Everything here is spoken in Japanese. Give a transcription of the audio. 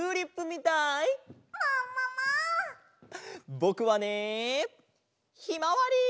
ぼくはねひまわり！